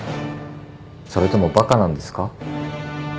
それともバカなんですか？